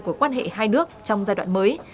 của quan hệ hai nước trong giai đoạn mới